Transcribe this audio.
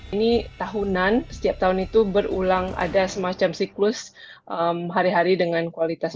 ini tahunan setiap tahun itu berulang ada semacam siklus hari hari dengan kualitas